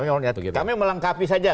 iya kami melengkapi saja